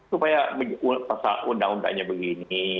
supaya pasal undang undangnya begini